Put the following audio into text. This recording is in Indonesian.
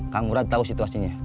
kang murad tau situasinya